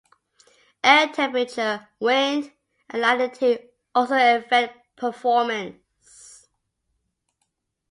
Air temperature, wind, and latitude also affect performance.